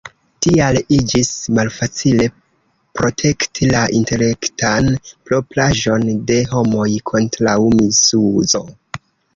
Tial iĝis malfacile protekti la "intelektan propraĵon" de homoj kontraŭ misuzo.